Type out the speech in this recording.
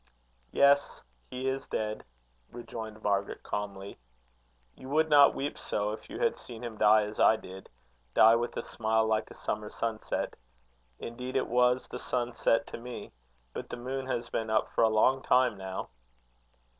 "Yes, he is dead," rejoined Margaret, calmly. "You would not weep so if you had seen him die as I did die with a smile like a summer sunset. Indeed, it was the sunset to me; but the moon has been up for a long time now."